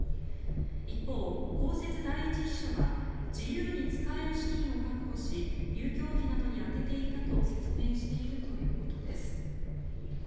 一方、公設第１秘書は自由に使える資金を確保し遊興費などに充てていたと説明しているということです。